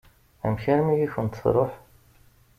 Amek armi i kent-tṛuḥ?